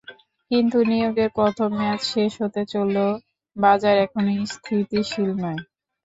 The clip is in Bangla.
কিন্তু নিয়োগের প্রথম মেয়াদ শেষ হতে চললেও বাজার এখনো স্থিতিশীল নয়।